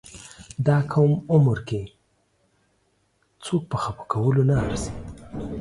دا کم عمر کې څوک په خپه کولو نه ارزي.